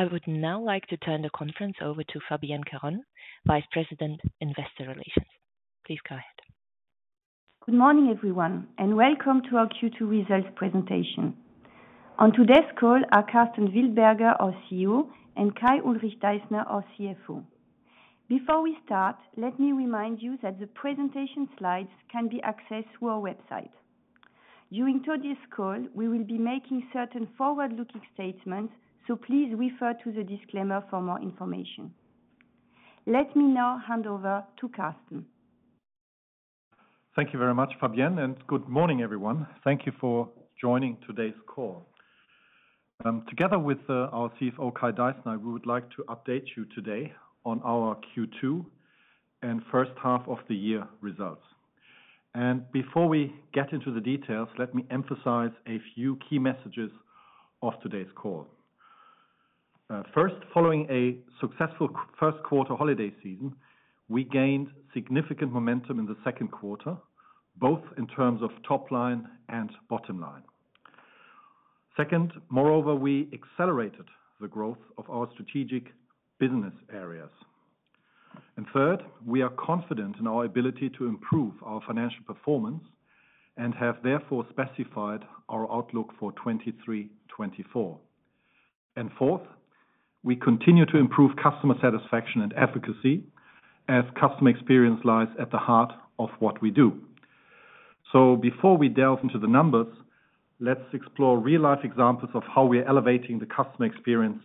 I would now like to turn the conference over to Fabienne Caron, Vice President, Investor Relations. Please go ahead. Good morning, everyone, and welcome to our Q2 results presentation. On today's call are Carsten Wildberger, our CEO, and Kai-Ulrich Deissner, our CFO. Before we start, let me remind you that the presentation slides can be accessed through our website. During today's call, we will be making certain forward-looking statements, so please refer to the disclaimer for more information. Let me now hand over to Carsten. Thank you very much, Fabienne, and good morning, everyone. Thank you for joining today's call. Together with our CFO, Kai Deissner, we would like to update you today on our Q2 and first half of the year results. Before we get into the details, let me emphasize a few key messages of today's call. First, following a successful first quarter holiday season, we gained significant momentum in the second quarter, both in terms of top line and bottom line. Second, moreover, we accelerated the growth of our strategic business areas. Third, we are confident in our ability to improve our financial performance and have therefore specified our outlook for 2023, 2024. Fourth, we continue to improve customer satisfaction and efficacy, as customer experience lies at the heart of what we do. So before we delve into the numbers, let's explore real-life examples of how we are elevating the customer experience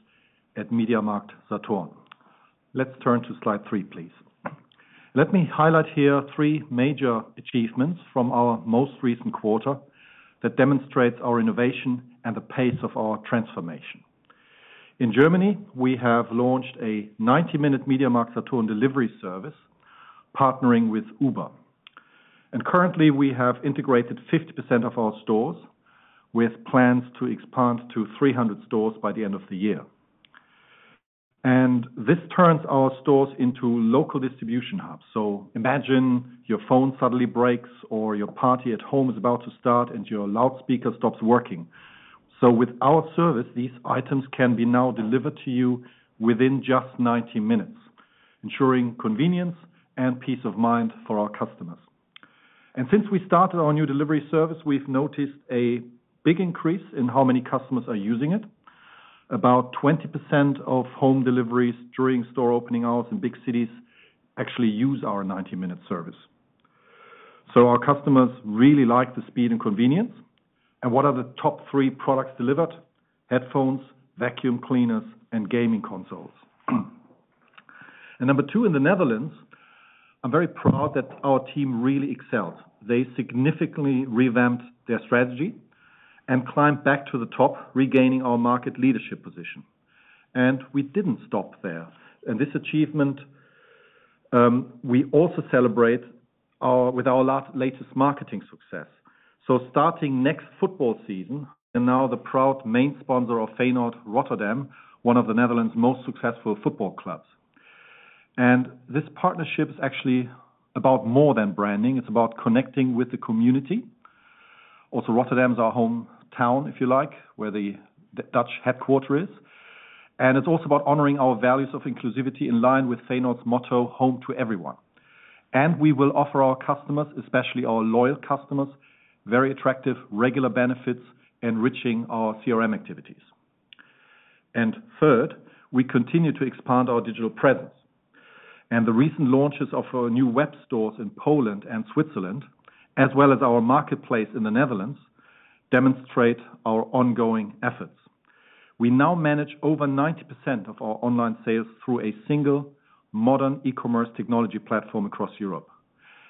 at MediaMarktSaturn. Let's turn to slide three, please. Let me highlight here three major achievements from our most recent quarter that demonstrates our innovation and the pace of our transformation. In Germany, we have launched a 90-minute MediaMarktSaturn delivery service, partnering with Uber. Currently, we have integrated 50% of our stores, with plans to expand to 300 stores by the end of the year. This turns our stores into local distribution hubs. Imagine your phone suddenly breaks or your party at home is about to start and your loudspeaker stops working. With our service, these items can be now delivered to you within just 90 minutes, ensuring convenience and peace of mind for our customers. Since we started our new delivery service, we've noticed a big increase in how many customers are using it. About 20% of home deliveries during store opening hours in big cities actually use our 90-minute service. So our customers really like the speed and convenience. And what are the top three products delivered? Headphones, vacuum cleaners and gaming consoles. And number two, in the Netherlands, I'm very proud that our team really excels. They significantly revamped their strategy and climbed back to the top, regaining our market leadership position. And we didn't stop there. And this achievement, we also celebrate with our latest marketing success. So starting next football season, we are now the proud main sponsor of Feyenoord Rotterdam, one of the Netherlands' most successful football clubs. And this partnership is actually about more than branding. It's about connecting with the community. Also, Rotterdam is our hometown, if you like, where the Dutch headquarters is. It's also about honoring our values of inclusivity in line with Feyenoord's motto, "Home to everyone." We will offer our customers, especially our loyal customers, very attractive, regular benefits, enriching our CRM activities. Third, we continue to expand our digital presence. The recent launches of our new web stores in Poland and Switzerland, as well as our marketplace in the Netherlands, demonstrate our ongoing efforts. We now manage over 90% of our online sales through a single modern e-commerce technology platform across Europe,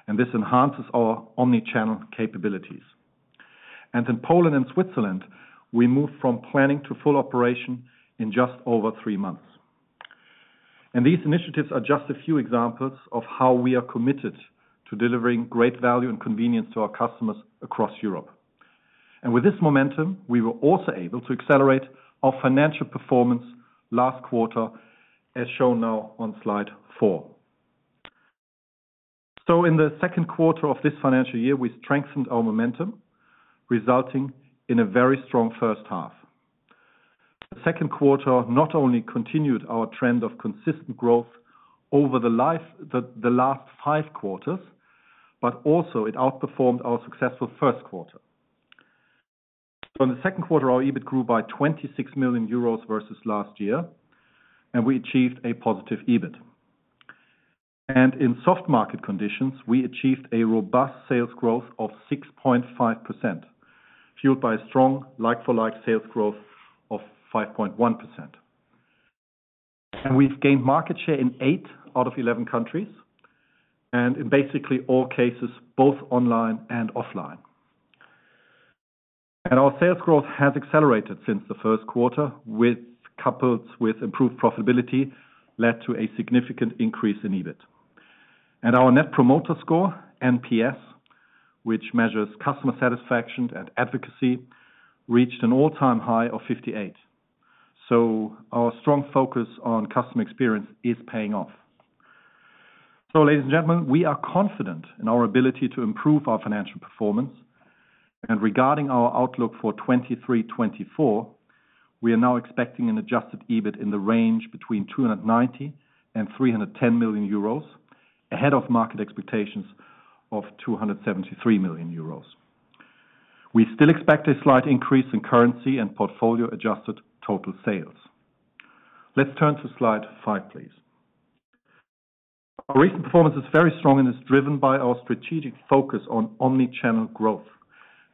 and this enhances our omni-channel capabilities. In Poland and Switzerland, we moved from planning to full operation in just over three months. These initiatives are just a few examples of how we are committed to delivering great value and convenience to our customers across Europe. With this momentum, we were also able to accelerate our financial performance last quarter, as shown now on slide four. In the second quarter of this financial year, we strengthened our momentum, resulting in a very strong first half. The second quarter not only continued our trend of consistent growth over the last five quarters, but also it outperformed our successful first quarter. In the second quarter, our EBIT grew by 26 million euros versus last year, and we achieved a positive EBIT. In soft market conditions, we achieved a robust sales growth of 6.5%, fueled by strong like-for-like sales growth of 5.1%. We've gained market share in eight out of 11 countries, and in basically all cases, both online and offline. Our sales growth has accelerated since the first quarter, with, coupled with improved profitability, led to a significant increase in EBIT. Our net promoter score, NPS, which measures customer satisfaction and advocacy, reached an all-time high of 58. Our strong focus on customer experience is paying off. Ladies and gentlemen, we are confident in our ability to improve our financial performance. Regarding our outlook for 2023, 2024, we are now expecting an adjusted EBIT in the range between 290 million and 310 million euros, ahead of market expectations of 273 million euros. We still expect a slight increase in currency and portfolio-adjusted total sales. Let's turn to slide five, please. Our recent performance is very strong and is driven by our strategic focus on omni-channel growth.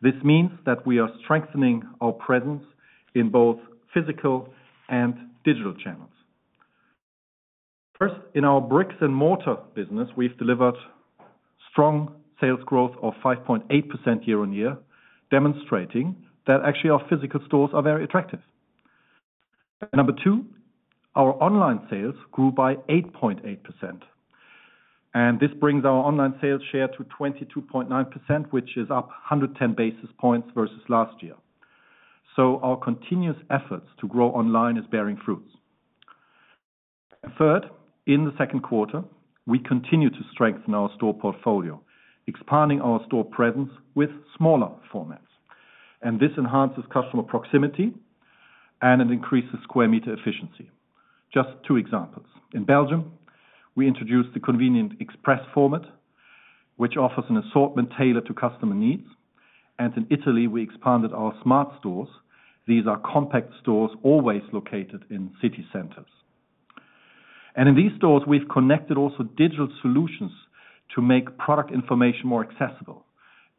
This means that we are strengthening our presence in both physical and digital channels. First, in our bricks and mortar business, we've delivered strong sales growth of 5.8% year-on-year, demonstrating that actually, our physical stores are very attractive. Number two, our online sales grew by 8.8%, and this brings our online sales share to 22.9%, which is up 110 basis points versus last year. So our continuous efforts to grow online is bearing fruits. Third, in the second quarter, we continued to strengthen our store portfolio, expanding our store presence with smaller formats, and this enhances customer proximity, and it increases square meter efficiency. Just two examples: in Belgium, we introduced the convenient Xpress format, which offers an assortment tailored to customer needs. And in Italy, we expanded our Smart stores. These are compact stores, always located in city centers. And in these stores, we've connected also digital solutions to make product information more accessible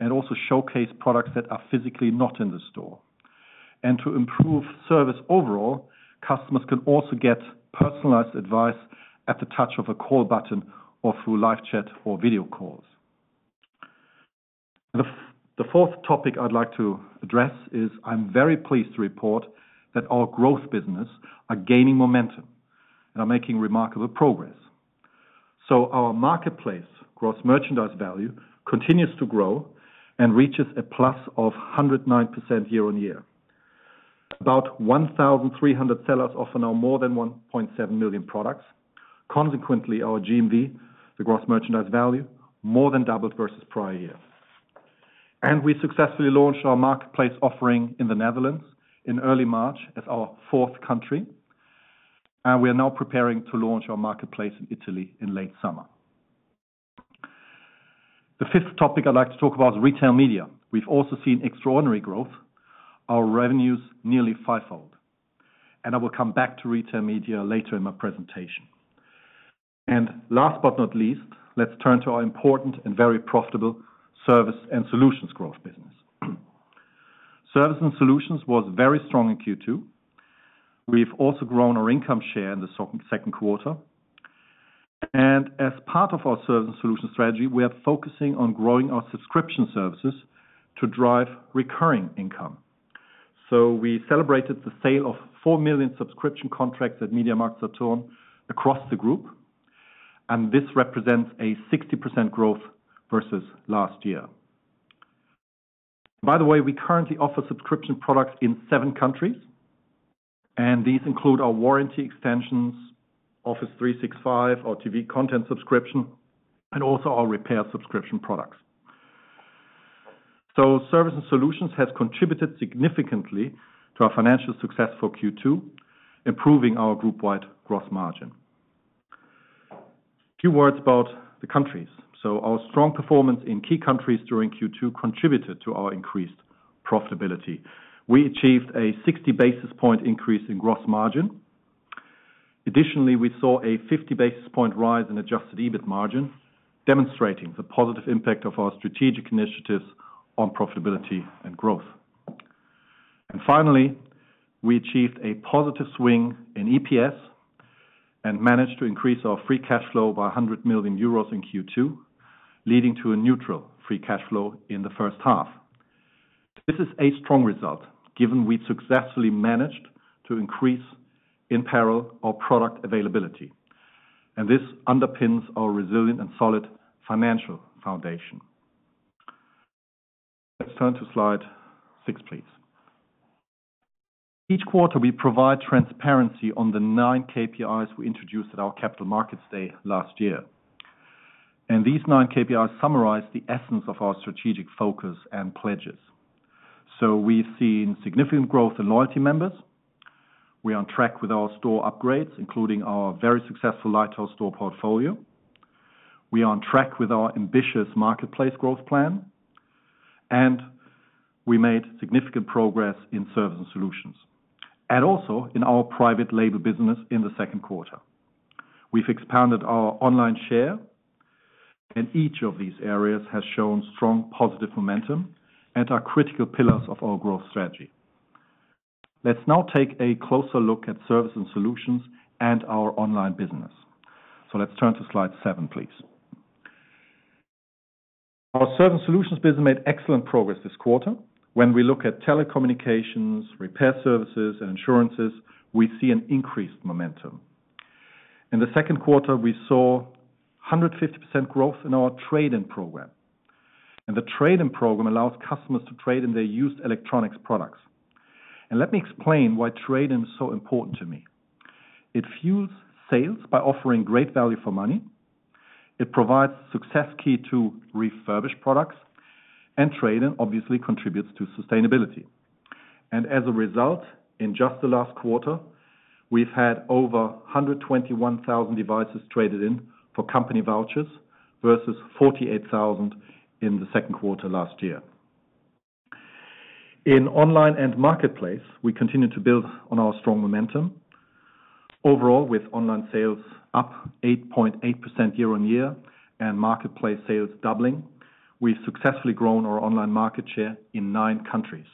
and also showcase products that are physically not in the store. And to improve service overall, customers can also get personalized advice at the touch of a call button or through live chat or video calls. The fourth topic I'd like to address is I'm very pleased to report that our growth business are gaining momentum and are making remarkable progress. So our marketplace gross merchandise value continues to grow and reaches a plus of 109% year-on-year. About 1,300 sellers offer now more than 1.7 million products. Consequently, our GMV, the gross merchandise value, more than doubled versus prior year. We successfully launched our marketplace offering in the Netherlands in early March as our fourth country, and we are now preparing to launch our marketplace in Italy in late summer. The fifth topic I'd like to talk about is retail media. We've also seen extraordinary growth, our revenues nearly fivefold, and I will come back to retail media later in my presentation. Last but not least, let's turn to our important and very profitable service and solutions growth business. Service and solutions was very strong in Q2. We've also grown our income share in the second quarter, and as part of our service and solution strategy, we are focusing on growing our subscription services to drive recurring income. We celebrated the sale of 4 million subscription contracts at MediaMarktSaturn across the group, and this represents a 60% growth versus last year. By the way, we currently offer subscription products in seven countries, and these include our warranty extensions, Office 365, our TV content subscription, and also our repair subscription products. So service and solutions has contributed significantly to our financial success for Q2, improving our group-wide gross margin. A few words about the countries. So our strong performance in key countries during Q2 contributed to our increased profitability. We achieved a 60 basis point increase in gross margin. Additionally, we saw a 50 basis point rise in Adjusted EBIT margin, demonstrating the positive impact of our strategic initiatives on profitability and growth. And finally, we achieved a positive swing in EPS and managed to increase our free cash flow by 100 million euros in Q2, leading to a neutral free cash flow in the first half. This is a strong result, given we successfully managed to increase in parallel our product availability, and this underpins our resilient and solid financial foundation. Let's turn to slide six, please. Each quarter, we provide transparency on the 9 KPIs we introduced at our Capital Markets Day last year, and these 9 KPIs summarize the essence of our strategic focus and pledges. So we've seen significant growth in loyalty members. We're on track with our store upgrades, including our very successful Lighthouse store portfolio. We are on track with our ambitious marketplace growth plan, and we made significant progress in service and solutions, and also in our private label business in the second quarter. We've expanded our online share, and each of these areas has shown strong, positive momentum and are critical pillars of our growth strategy. Let's now take a closer look at service and solutions and our online business. So let's turn to slide seven, please. Our service solutions business made excellent progress this quarter. When we look at telecommunications, repair services, and insurances, we see an increased momentum. In the second quarter, we saw 150% growth in our trade-in program... and the trade-in program allows customers to trade in their used electronics products. And let me explain why trade-in is so important to me. It fuels sales by offering great value for money, it provides success key to refurbished products, and trade-in obviously contributes to sustainability. And as a result, in just the last quarter, we've had over 121,000 devices traded in for company vouchers versus 48,000 in the second quarter last year. In online and marketplace, we continue to build on our strong momentum. Overall, with online sales up 8.8% year-on-year and marketplace sales doubling, we've successfully grown our online market share in nine countries.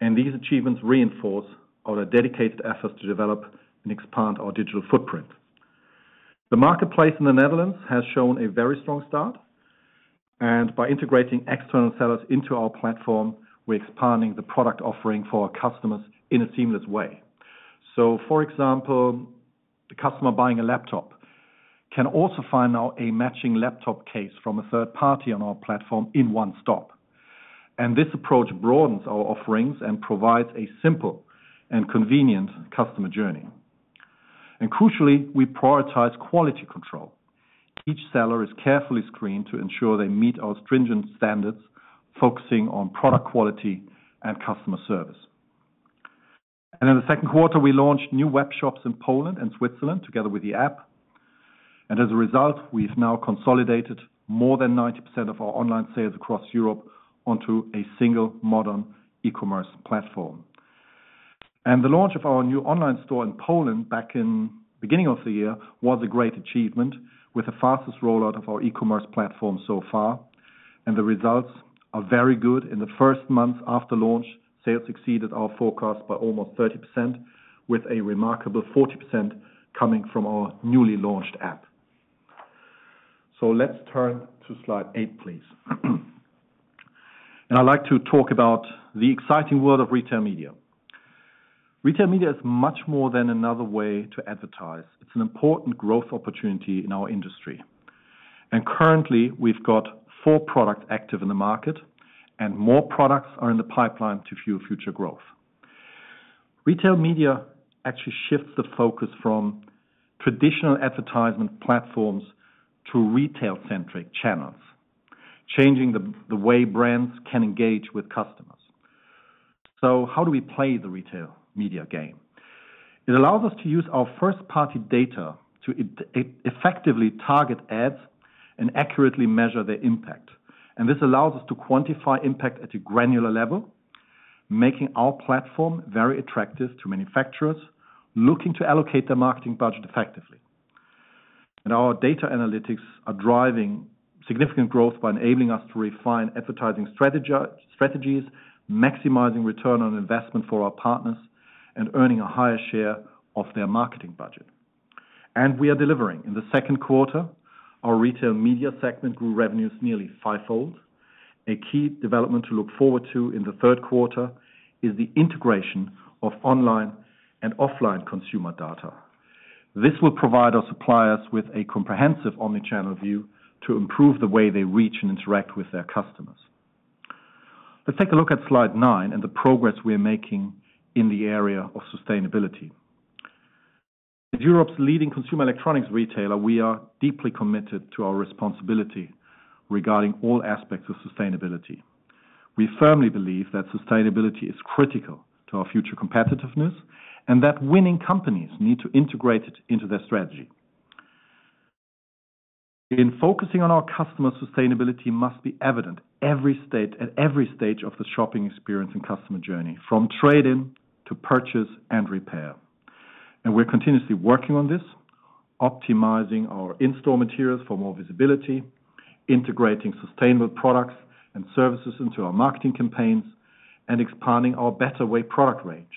These achievements reinforce our dedicated efforts to develop and expand our digital footprint. The marketplace in the Netherlands has shown a very strong start, and by integrating external sellers into our platform, we're expanding the product offering for our customers in a seamless way. For example, the customer buying a laptop can also find now a matching laptop case from a third party on our platform in one stop. This approach broadens our offerings and provides a simple and convenient customer journey. Crucially, we prioritize quality control. Each seller is carefully screened to ensure they meet our stringent standards, focusing on product quality and customer service. In the second quarter, we launched new web shops in Poland and Switzerland, together with the app. As a result, we've now consolidated more than 90% of our online sales across Europe onto a single modern e-commerce platform. The launch of our new online store in Poland, back in the beginning of the year, was a great achievement, with the fastest rollout of our e-commerce platform so far, and the results are very good. In the first month after launch, sales exceeded our forecast by almost 30%, with a remarkable 40% coming from our newly launched app. Let's turn to slide eight, please. I'd like to talk about the exciting world of retail media. Retail media is much more than another way to advertise. It's an important growth opportunity in our industry. And currently, we've got four products active in the market, and more products are in the pipeline to fuel future growth. Retail media actually shifts the focus from traditional advertisement platforms to retail-centric channels, changing the way brands can engage with customers. So how do we play the retail media game? It allows us to use our first-party data to effectively target ads and accurately measure their impact. And this allows us to quantify impact at a granular level, making our platform very attractive to manufacturers looking to allocate their marketing budget effectively. And our data analytics are driving significant growth by enabling us to refine advertising strategies, maximizing return on investment for our partners, and earning a higher share of their marketing budget. And we are delivering. In the second quarter, our retail media segment grew revenues nearly fivefold. A key development to look forward to in the third quarter is the integration of online and offline consumer data. This will provide our suppliers with a comprehensive omni-channel view to improve the way they reach and interact with their customers. Let's take a look at slide nine and the progress we are making in the area of sustainability. As Europe's leading consumer electronics retailer, we are deeply committed to our responsibility regarding all aspects of sustainability. We firmly believe that sustainability is critical to our future competitiveness and that winning companies need to integrate it into their strategy. In focusing on our customers, sustainability must be evident at every stage of the shopping experience and customer journey, from trade-in to purchase and repair. We're continuously working on this, optimizing our in-store materials for more visibility, integrating sustainable products and services into our marketing campaigns, and expanding our BetterWay product range.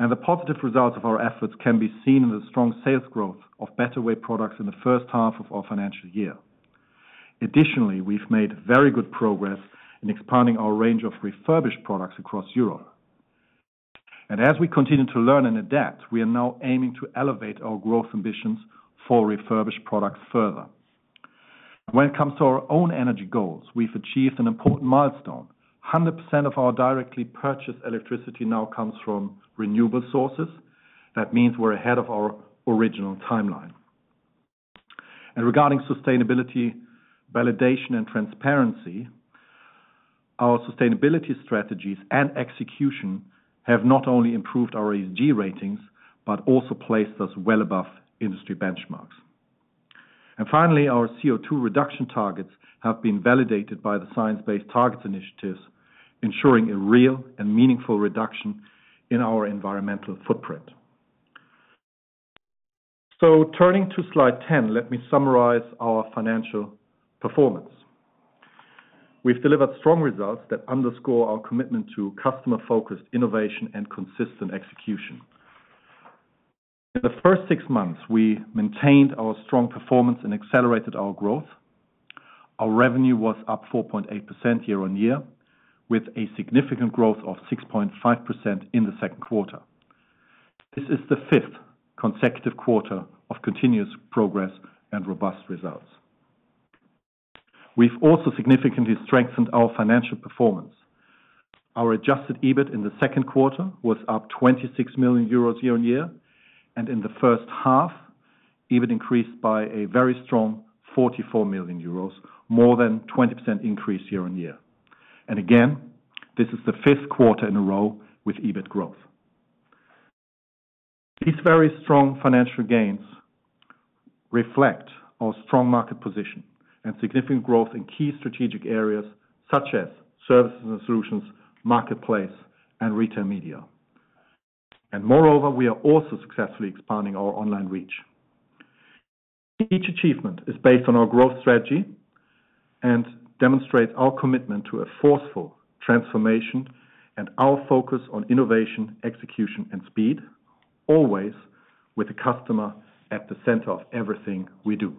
The positive results of our efforts can be seen in the strong sales growth of BetterWay products in the first half of our financial year. Additionally, we've made very good progress in expanding our range of refurbished products across Europe. As we continue to learn and adapt, we are now aiming to elevate our growth ambitions for refurbished products further. When it comes to our own energy goals, we've achieved an important milestone. 100% of our directly purchased electricity now comes from renewable sources. That means we're ahead of our original timeline. Regarding sustainability, validation, and transparency, our sustainability strategies and execution have not only improved our ESG ratings, but also placed us well above industry benchmarks. And finally, our CO2 reduction targets have been validated by the Science Based Targets initiatives, ensuring a real and meaningful reduction in our environmental footprint. So turning to Slide 10, let me summarize our financial performance. We've delivered strong results that underscore our commitment to customer-focused innovation and consistent execution. In the first six months, we maintained our strong performance and accelerated our growth. Our revenue was up 4.8% year-on-year, with a significant growth of 6.5% in the second quarter. This is the 5th consecutive quarter of continuous progress and robust results. We've also significantly strengthened our financial performance. Our Adjusted EBIT in the second quarter was up 26 million euros year-on-year, and in the first half, EBIT increased by a very strong 44 million euros, more than 20% increase year-on-year. Again, this is the fifth quarter in a row with EBIT growth. These very strong financial gains reflect our strong market position and significant growth in key strategic areas such as services and solutions, marketplace, and retail media. Moreover, we are also successfully expanding our online reach. Each achievement is based on our growth strategy and demonstrates our commitment to a forceful transformation and our focus on innovation, execution, and speed, always with the customer at the center of everything we do.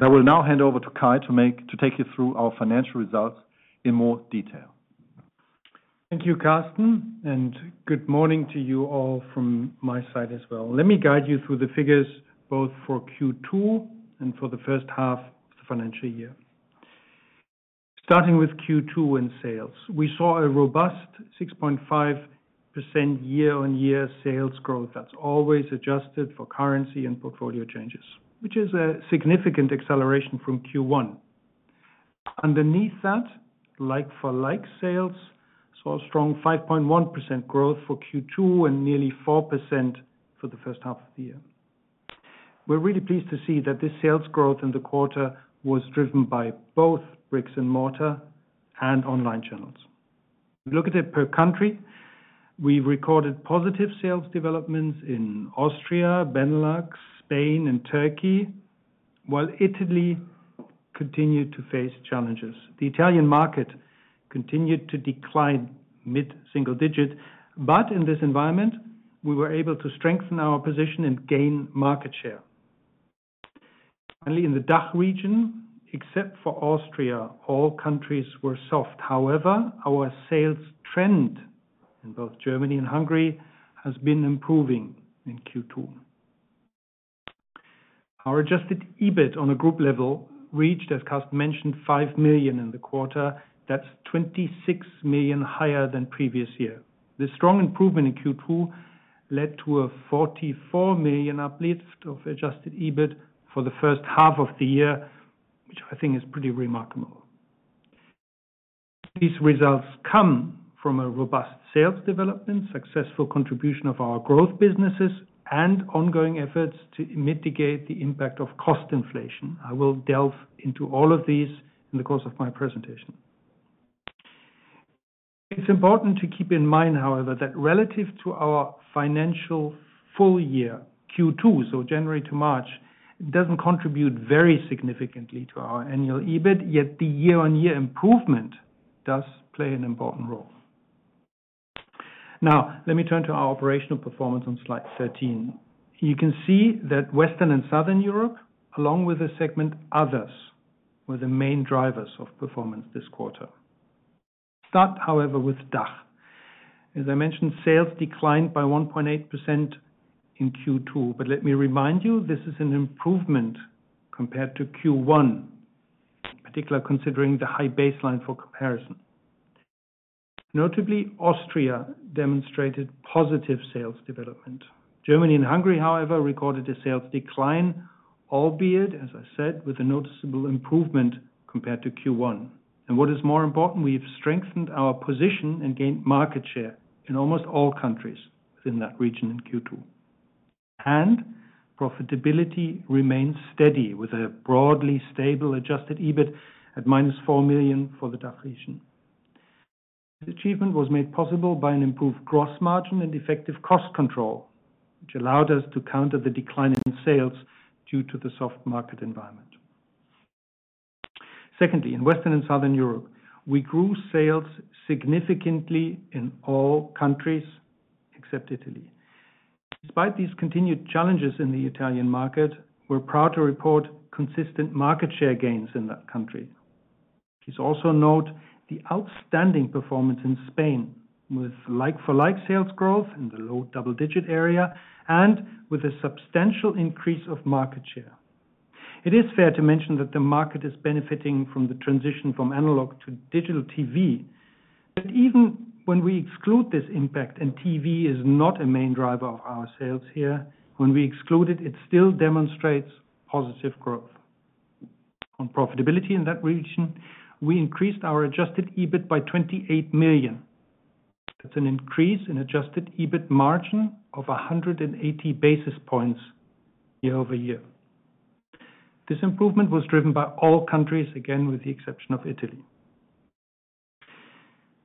I will now hand over to Kai to take you through our financial results in more detail. Thank you, Carsten, and good morning to you all from my side as well. Let me guide you through the figures, both for Q2 and for the first half of the financial year. Starting with Q2 in sales, we saw a robust 6.5% year-on-year sales growth. That's always adjusted for currency and portfolio changes, which is a significant acceleration from Q1. Underneath that, like-for-like sales saw a strong 5.1% growth for Q2 and nearly 4% for the first half of the year. We're really pleased to see that this sales growth in the quarter was driven by both bricks and mortar and online channels. If you look at it per country, we recorded positive sales developments in Austria, Benelux, Spain, and Turkey, while Italy continued to face challenges. The Italian market continued to decline mid-single digit, but in this environment, we were able to strengthen our position and gain market share. Only in the DACH region, except for Austria, all countries were soft. However, our sales trend in both Germany and Hungary has been improving in Q2. Our Adjusted EBIT on a group level reached, as Carsten mentioned, 5 million in the quarter. That's 26 million higher than previous year. This strong improvement in Q2 led to a 44 million uplift of Adjusted EBIT for the first half of the year, which I think is pretty remarkable. These results come from a robust sales development, successful contribution of our growth businesses, and ongoing efforts to mitigate the impact of cost inflation. I will delve into all of these in the course of my presentation. It's important to keep in mind, however, that relative to our financial full year, Q2, so January to March, doesn't contribute very significantly to our annual EBIT, yet the year-on-year improvement does play an important role. Now, let me turn to our operational performance on Slide 13. You can see that Western and Southern Europe, along with the segment Others, were the main drivers of performance this quarter. Start, however, with DACH. As I mentioned, sales declined by 1.8% in Q2, but let me remind you, this is an improvement compared to Q1, particularly considering the high baseline for comparison. Notably, Austria demonstrated positive sales development. Germany and Hungary, however, recorded a sales decline, albeit, as I said, with a noticeable improvement compared to Q1. What is more important, we've strengthened our position and gained market share in almost all countries within that region in Q2. Profitability remains steady, with a broadly stable Adjusted EBIT at -4 million for the DACH region. This achievement was made possible by an improved gross margin and effective cost control, which allowed us to counter the decline in sales due to the soft market environment. Secondly, in Western and Southern Europe, we grew sales significantly in all countries except Italy. Despite these continued challenges in the Italian market, we're proud to report consistent market share gains in that country. Please also note the outstanding performance in Spain, with like-for-like sales growth in the low double-digit area and with a substantial increase of market share. It is fair to mention that the market is benefiting from the transition from analog to digital TV. But even when we exclude this impact, and TV is not a main driver of our sales here, when we exclude it, it still demonstrates positive growth. On profitability in that region, we increased our adjusted EBIT by 28 million. That's an increase in adjusted EBIT margin of 180 basis points year-over-year. This improvement was driven by all countries, again, with the exception of Italy.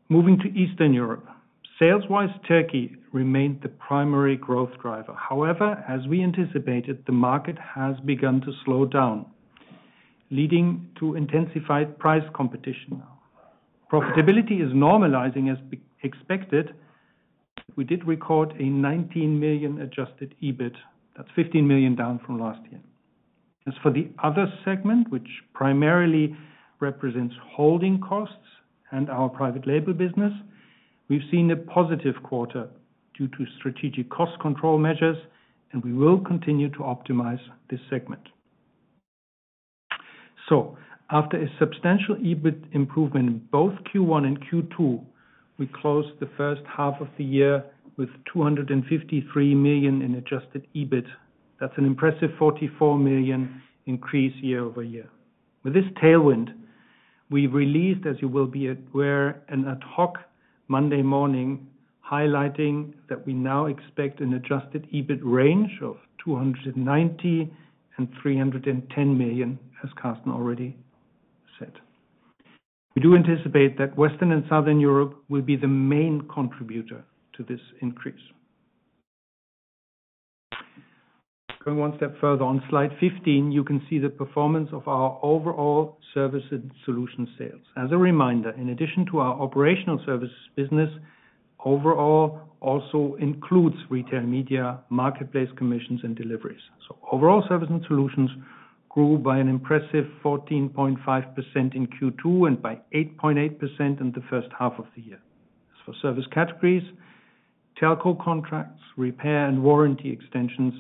Moving to Eastern Europe, sales-wise, Turkey remained the primary growth driver. However, as we anticipated, the market has begun to slow down, leading to intensified price competition. Profitability is normalizing as expected. We did record a 19 million adjusted EBIT. That's 15 million down from last year. As for the other segment, which primarily represents holding costs and our private label business, we've seen a positive quarter due to strategic cost control measures, and we will continue to optimize this segment. So after a substantial EBIT improvement in both Q1 and Q2, we closed the first half of the year with 253 million in adjusted EBIT. That's an impressive 44 million increase year-over-year. With this tailwind, we released, as you will be aware, an ad hoc Monday morning, highlighting that we now expect an adjusted EBIT range of 290 million and 310 million, as Carsten already said. We do anticipate that Western and Southern Europe will be the main contributor to this increase. Going one step further on Slide 15, you can see the performance of our overall service and solution sales. As a reminder, in addition to our operational services business, overall also includes retail, media, marketplace, commissions, and deliveries. So overall service and solutions grew by an impressive 14.5% in Q2 and by 8.8% in the first half of the year. As for service categories, telco contracts, repair, and warranty extensions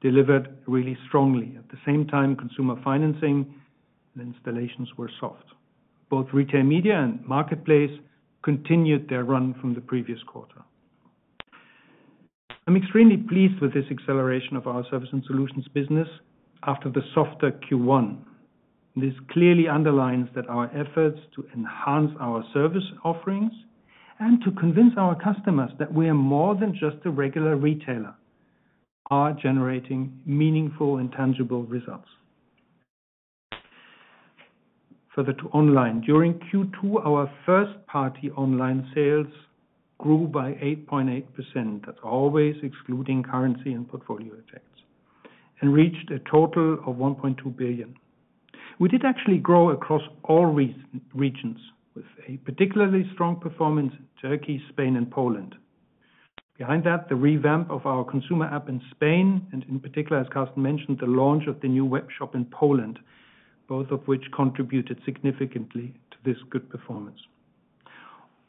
delivered really strongly. At the same time, consumer financing and installations were soft. Both retail, media, and marketplace continued their run from the previous quarter. I'm extremely pleased with this acceleration of our service and solutions business after the softer Q1. This clearly underlines that our efforts to enhance our service offerings and to convince our customers that we are more than just a regular retailer, are generating meaningful and tangible results. Further to online, during Q2, our first-party online sales grew by 8.8%, as always, excluding currency and portfolio effects, and reached a total of 1.2 billion. We did actually grow across all regions, with a particularly strong performance in Turkey, Spain, and Poland. Behind that, the revamp of our consumer app in Spain, and in particular, as Carsten mentioned, the launch of the new webshop in Poland, both of which contributed significantly to this good performance.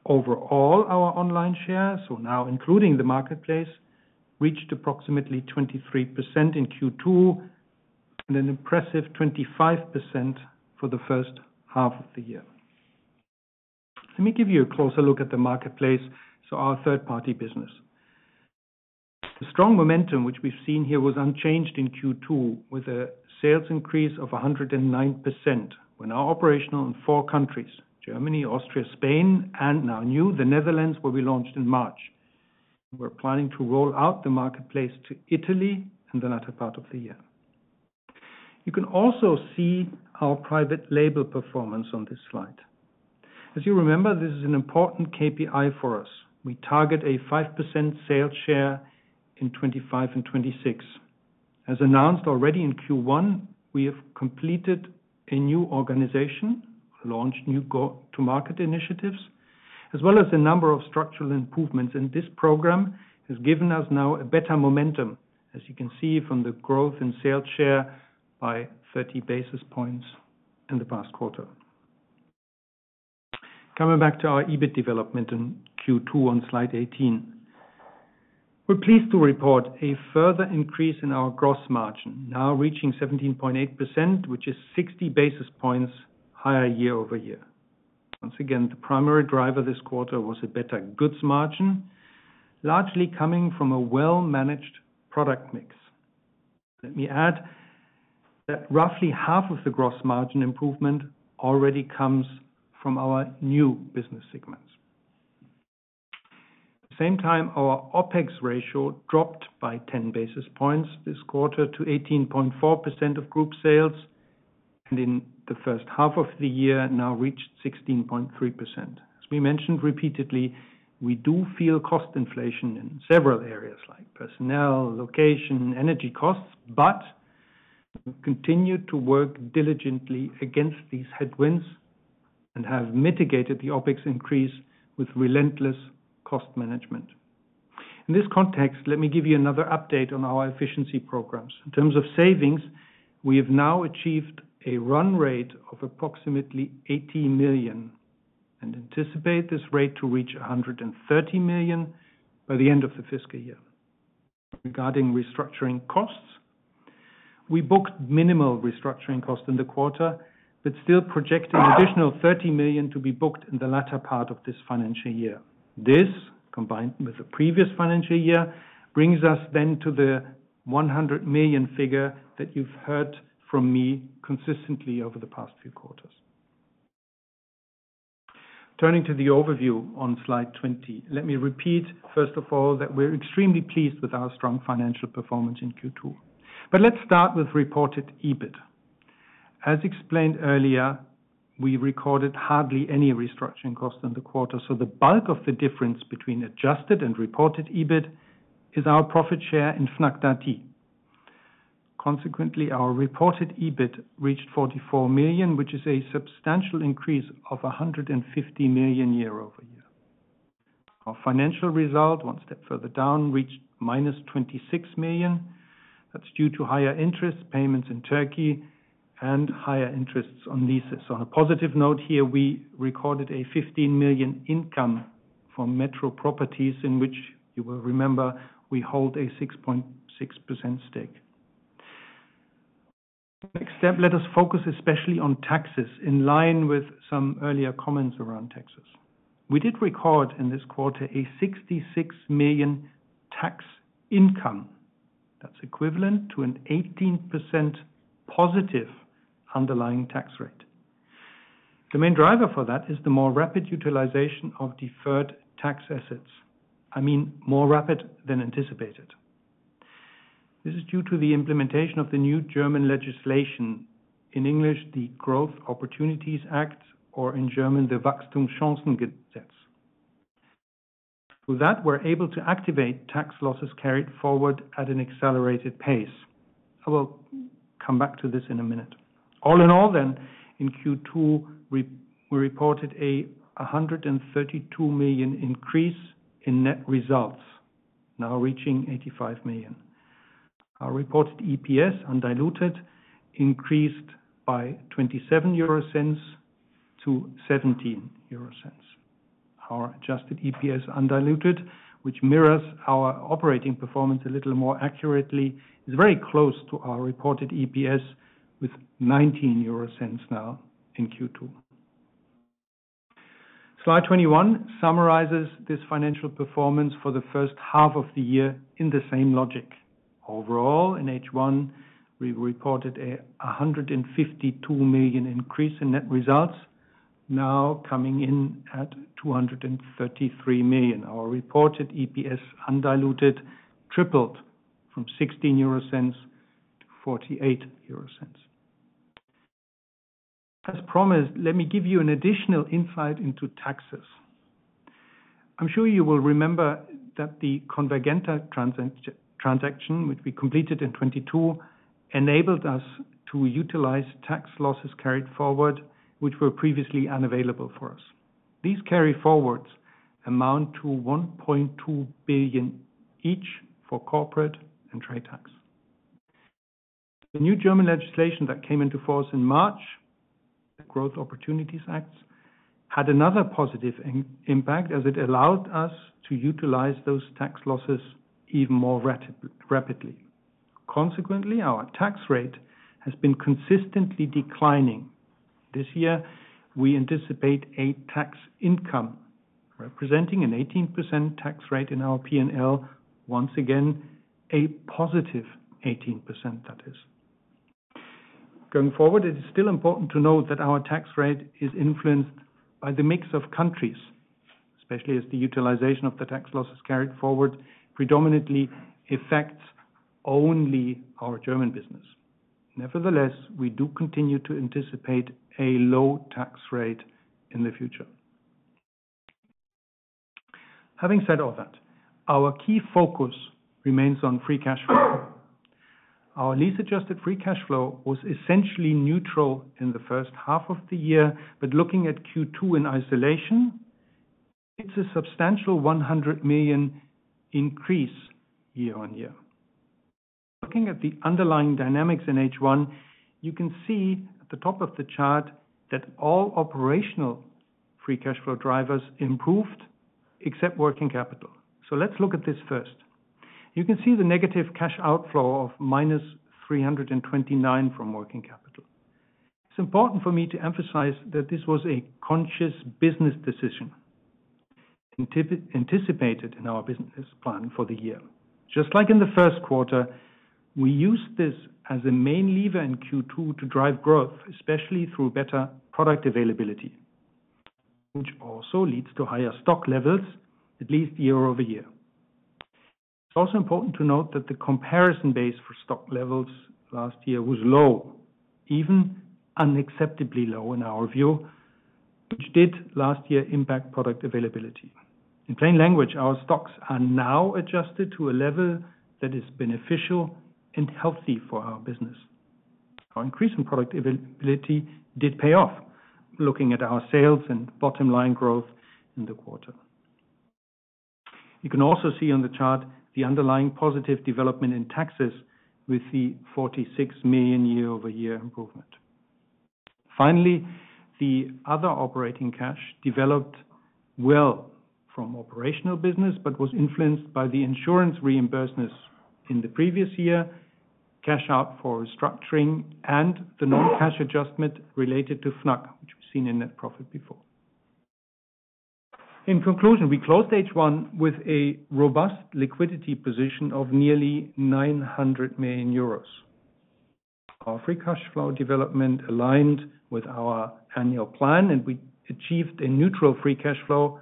Overall, our online share, so now including the marketplace, reached approximately 23% in Q2 and an impressive 25% for the first half of the year. Let me give you a closer look at the marketplace, so our third-party business. The strong momentum, which we've seen here, was unchanged in Q2, with a sales increase of 109%. We're now operational in four countries, Germany, Austria, Spain, and now new, the Netherlands, where we launched in March. We're planning to roll out the marketplace to Italy in the latter part of the year. You can also see our private label performance on this slide. As you remember, this is an important KPI for us. We target a 5% sales share in 2025 and 2026. As announced already in Q1, we have completed a new organization, launched new go-to-market initiatives, as well as a number of structural improvements. And this program has given us now a better momentum, as you can see from the growth in sales share by 30 basis points in the past quarter. Coming back to our EBIT development in Q2 on Slide 18. We're pleased to report a further increase in our gross margin, now reaching 17.8%, which is 60 basis points higher year-over-year. Once again, the primary driver this quarter was a better goods margin, largely coming from a well-managed product mix. Let me add that roughly half of the gross margin improvement already comes from our new business segments. At the same time, our OpEx ratio dropped by 10 basis points this quarter to 18.4% of group sales, and in the first half of the year now reached 16.3%. As we mentioned repeatedly, we do feel cost inflation in several areas like personnel, location, energy costs, but we continue to work diligently against these headwinds and have mitigated the OpEx increase with relentless cost management. In this context, let me give you another update on our efficiency programs. In terms of savings, we have now achieved a run rate of approximately 80 million and anticipate this rate to reach 130 million by the end of the fiscal year. Regarding restructuring costs, we booked minimal restructuring costs in the quarter, but still projecting an additional 30 million to be booked in the latter part of this financial year. This, combined with the previous financial year, brings us then to the 100 million figure that you've heard from me consistently over the past few quarters. Turning to the overview on Slide 20, let me repeat, first of all, that we're extremely pleased with our strong financial performance in Q2. But let's start with reported EBIT. As explained earlier, we recorded hardly any restructuring costs in the quarter, so the bulk of the difference between adjusted and reported EBIT is our profit share in Fnac Darty. Consequently, our reported EBIT reached 44 million, which is a substantial increase of 150 million year-over-year.... Our financial result, one step further down, reached -26 million. That's due to higher interest payments in Turkey and higher interests on leases. On a positive note here, we recorded a 15 million income from Metro Properties, in which you will remember, we hold a 6.6% stake. Next step, let us focus especially on taxes, in line with some earlier comments around taxes. We did record in this quarter a 66 million tax income. That's equivalent to an 18% positive underlying tax rate. The main driver for that is the more rapid utilization of deferred tax assets, I mean, more rapid than anticipated. This is due to the implementation of the new German legislation, in English, the Growth Opportunities Act, or in German, the Wachstumschancengesetz. With that, we're able to activate tax losses carried forward at an accelerated pace. I will come back to this in a minute. All in all then, in Q2, we reported a 132 million increase in net results, now reaching 85 million. Our reported EPS undiluted increased by 0.27 EUR-0.17 EUR. Our adjusted EPS undiluted, which mirrors our operating performance a little more accurately, is very close to our reported EPS with 0.19 EUR now in Q2. Slide 21 summarizes this financial performance for the first half of the year in the same logic. Overall, in H1, we reported a 152 million increase in net results, now coming in at 233 million. Our reported EPS undiluted tripled from 0.16 EUR-0.48 EUR. As promised, let me give you an additional insight into taxes. I'm sure you will remember that the Convergenta transaction, which we completed in 2022, enabled us to utilize tax losses carried forward, which were previously unavailable for us. These carry forwards amount to 1.2 billion each for corporate and trade tax. The new German legislation that came into force in March, the Growth Opportunities Act, had another positive impact as it allowed us to utilize those tax losses even more rapidly. Consequently, our tax rate has been consistently declining. This year, we anticipate a tax income, representing an 18% tax rate in our P&L, once again, a positive 18%, that is. Going forward, it is still important to note that our tax rate is influenced by the mix of countries, especially as the utilization of the tax losses carried forward predominantly affects only our German business. Nevertheless, we do continue to anticipate a low tax rate in the future. Having said all that, our key focus remains on free cash flow. Our lease-adjusted free cash flow was essentially neutral in the first half of the year, but looking at Q2 in isolation, it's a substantial 100 million increase year-on-year. Looking at the underlying dynamics in H1, you can see at the top of the chart that all operational free cash flow drivers improved except working capital. So let's look at this first. You can see the negative cash outflow of -329 million from working capital. It's important for me to emphasize that this was a conscious business decision, anticipated in our business plan for the year. Just like in the first quarter, we used this as a main lever in Q2 to drive growth, especially through better product availability, which also leads to higher stock levels, at least year-over-year. It's also important to note that the comparison base for stock levels last year was low, even unacceptably low, in our view, which did last year impact product availability. In plain language, our stocks are now adjusted to a level that is beneficial and healthy for our business. Our increase in product availability did pay off, looking at our sales and bottom line growth in the quarter. You can also see on the chart the underlying positive development in taxes with the 46 million year-over-year improvement. Finally, the other operating cash developed well from operational business, but was influenced by the insurance reimbursements in the previous year, cash out for restructuring and the non-cash adjustment related to Fnac, which we've seen in net profit before. In conclusion, we closed H1 with a robust liquidity position of nearly 900 million euros. Our free cash flow development aligned with our annual plan, and we achieved a neutral free cash flow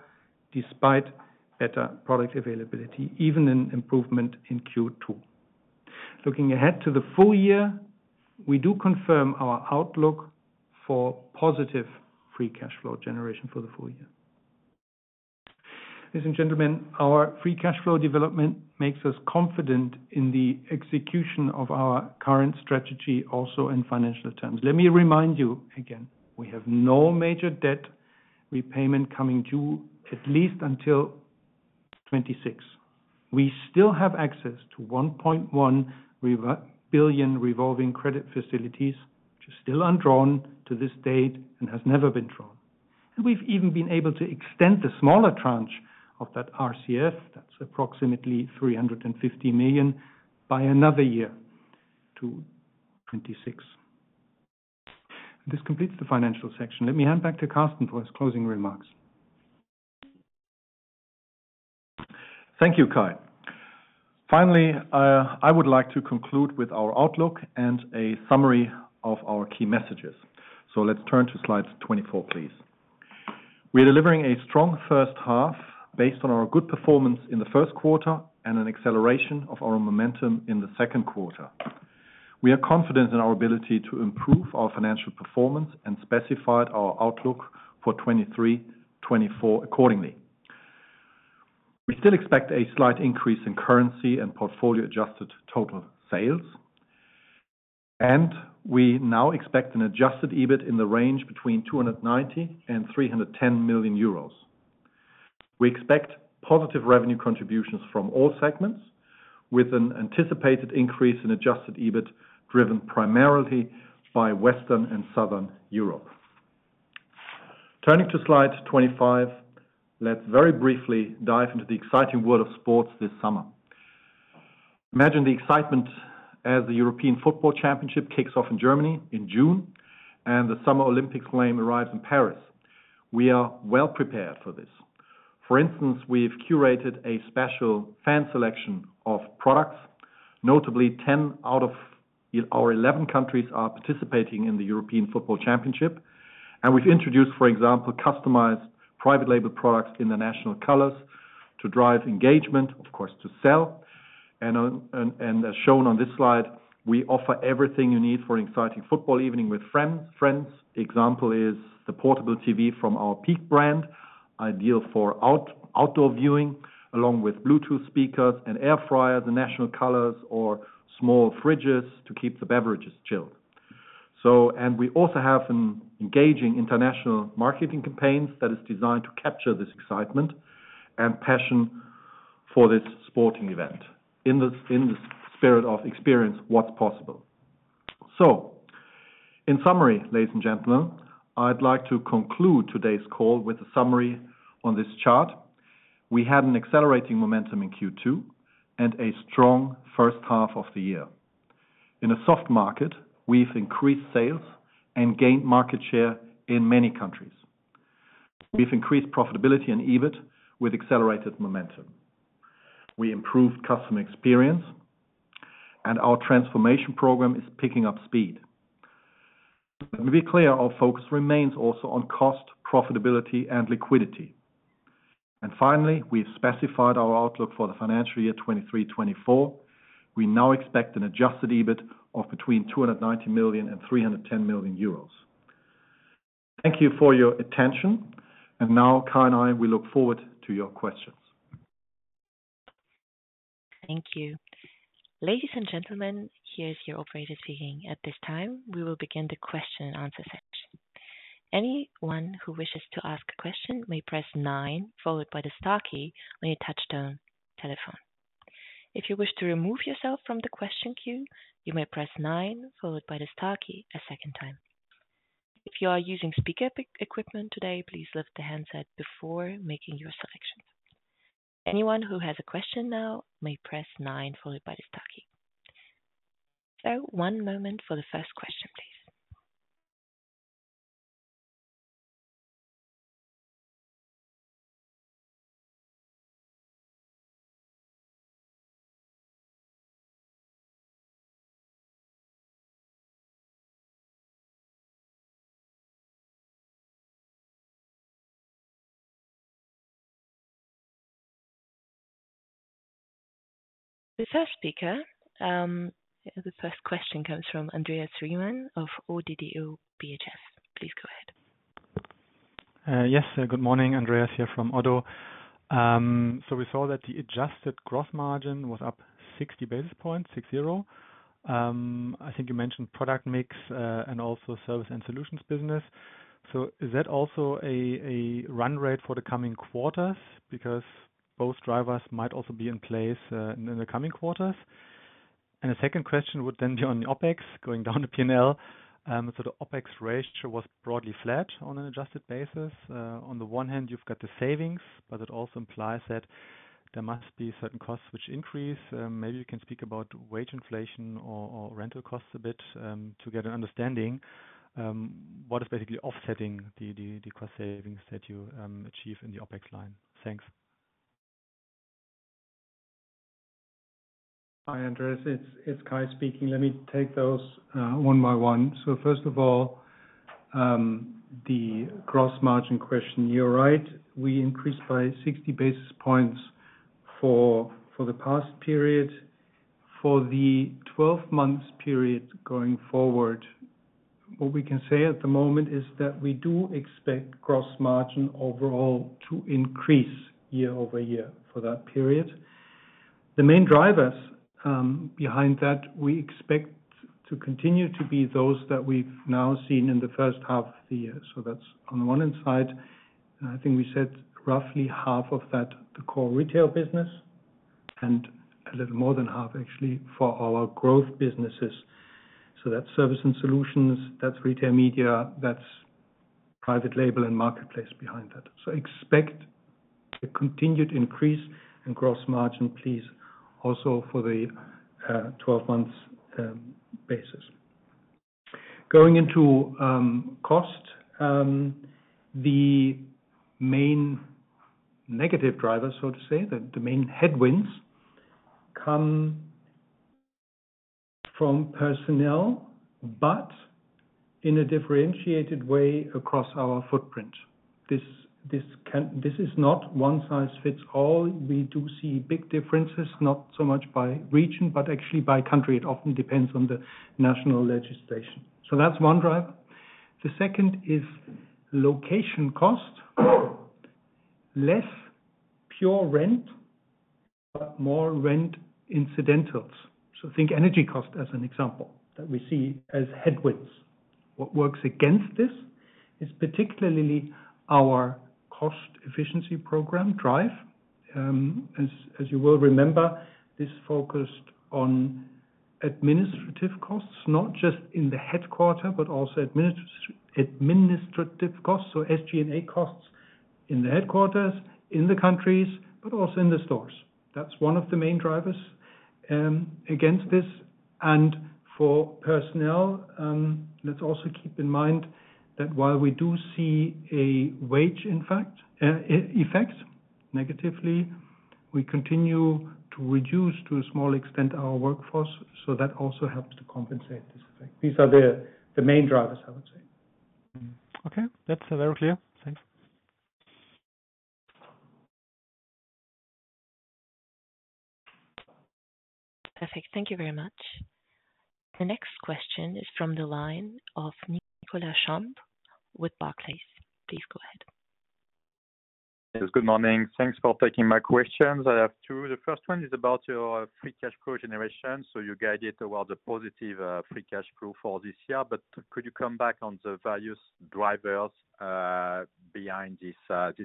despite better product availability, even an improvement in Q2. Looking ahead to the full year, we do confirm our outlook for positive free cash flow generation for the full year. Ladies and gentlemen, our free cash flow development makes us confident in the execution of our current strategy, also in financial terms. Let me remind you again, we have no major debt repayment coming due, at least until... 2026. We still have access to 1.1 billion revolving credit facilities, which is still undrawn to this date and has never been drawn. We've even been able to extend the smaller tranche of that RCF, that's approximately 350 million, by another year to 2026. This completes the financial section. Let me hand back to Carsten for his closing remarks. Thank you, Kai. Finally, I would like to conclude with our outlook and a summary of our key messages. So let's turn to Slide 24, please. We are delivering a strong first half based on our good performance in the first quarter and an acceleration of our momentum in the second quarter. We are confident in our ability to improve our financial performance and specified our outlook for 2023, 2024 accordingly. We still expect a slight increase in currency and portfolio-adjusted total sales, and we now expect an adjusted EBIT in the range between 290 million and 310 million euros. We expect positive revenue contributions from all segments, with an anticipated increase in adjusted EBIT, driven primarily by Western and Southern Europe. Turning to Slide 25, let's very briefly dive into the exciting world of sports this summer. Imagine the excitement as the European Football Championship kicks off in Germany in June, and the Summer Olympics flame arrives in Paris. We are well prepared for this. For instance, we've curated a special fan selection of products. Notably, 10 out of our 11 countries are participating in the European Football Championship, and we've introduced, for example, customized private label products in the national colors to drive engagement, of course, to sell. And as shown on this slide, we offer everything you need for an exciting football evening with friends. Example is the portable TV from our PEAQ brand, ideal for outdoor viewing, along with Bluetooth speakers and air fryer, the national colors or small fridges to keep the beverages chilled. So, and we also have an engaging international marketing campaigns that is designed to capture this excitement and passion for this sporting event in the spirit of experience, what's possible. In summary, ladies and gentlemen, I'd like to conclude today's call with a summary on this chart. We had an accelerating momentum in Q2 and a strong first half of the year. In a soft market, we've increased sales and gained market share in many countries. We've increased profitability and EBIT with accelerated momentum. We improved customer experience, and our transformation program is picking up speed. Let me be clear, our focus remains also on cost, profitability, and liquidity. Finally, we've specified our outlook for the financial year 2023, 2024. We now expect an adjusted EBIT of between 290 million and 310 million euros. Thank you for your attention. Now, Kai and I, we look forward to your questions. Thank you. Ladies and gentlemen, here's your operator speaking. At this time, we will begin the question and answer section. Anyone who wishes to ask a question may press nine, followed by the star key on your touchtone telephone. If you wish to remove yourself from the question queue, you may press nine, followed by the star key a second time. If you are using speaker equipment today, please lift the handset before making your selection. Anyone who has a question now may press nine, followed by the star key. So one moment for the first question, please. The first speaker, the first question comes from Andreas Riemann of Oddo BHF. Please go ahead. Yes, good morning, Andreas here from Oddo. We saw that the adjusted gross margin was up 60 basis points, six-zero. I think you mentioned product mix, and also service and solutions business. Is that also a run rate for the coming quarters? Because both drivers might also be in place in the coming quarters. And the second question would then be on the OpEx, going down the P&L. The OpEx ratio was broadly flat on an adjusted basis. On the one hand, you've got the savings, but it also implies that there must be certain costs which increase. Maybe you can speak about wage inflation or rental costs a bit, to get an understanding what is basically offsetting the cost savings that you achieve in the OpEx line? Thanks. Hi, Andreas, it's Kai speaking. Let me take those one by one. So first of all, the gross margin question. You're right, we increased by 60 basis points for the past period. For the 12 months period going forward, what we can say at the moment is that we do expect gross margin overall to increase year-over-year for that period. The main drivers behind that, we expect to continue to be those that we've now seen in the first half of the year. So that's on the one hand side, I think we said roughly half of that, the core retail business, and a little more than half actually, for our growth businesses. So that's service and solutions, that's retail media, that's private label and marketplace behind that. So expect a continued increase in gross margin, please, also for the 12-month basis. Going into cost, the main negative drivers, so to say, the main headwinds come from personnel, but in a differentiated way across our footprint. This is not one size fits all. We do see big differences, not so much by region, but actually by country. It often depends on the national legislation. So that's one driver. The second is location cost. Less pure rent, but more rent incidentals. So think energy cost as an example, that we see as headwinds. What works against this is particularly our cost efficiency program, Drive. As you well remember, this focused on administrative costs, not just in the headquarters, but also administrative costs, so SG&A costs in the headquarters, in the countries, but also in the stores. That's one of the main drivers against this. And for personnel, let's also keep in mind that while we do see a wage, in fact, effect, negatively, we continue to reduce to a small extent, our workforce, so that also helps to compensate this effect. These are the main drivers, I would say. Okay, that's very clear. Thanks. Perfect. Thank you very much. The next question is from the line of Nicolas Champ with Barclays. Please go ahead. Yes, good morning. Thanks for taking my questions. I have two. The first one is about your free cash flow generation. So you guided towards a positive free cash flow for this year, but could you come back on the various drivers behind this